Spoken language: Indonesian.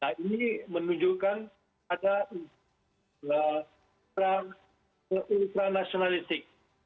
nah ini menunjukkan ada ultra nasionalistik